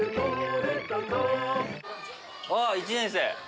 あっ１年生。